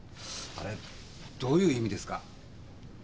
あれどういう意味ですか？